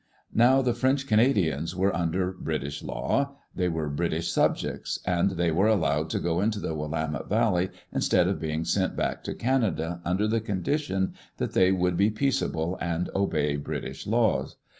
Now the French Canadians were under British law; they were British subjects, and they were allowed to go into the Willamette Valley instead of being sent back to Canada under the condition that they would be peace able and obey British laws.